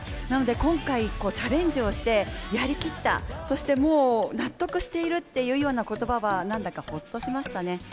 なので今回、チャレンジをしてやりきったそして、納得しているっていうような言葉はなんだかほっとしましたね。